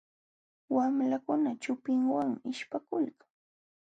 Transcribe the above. Wamlakuna chupinwanmi ishpakulkan.